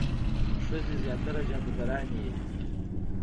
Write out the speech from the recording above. ښځې زیاتره جادوګرانې وي.